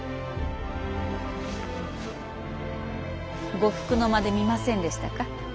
呉服の間で見ませんでしたか？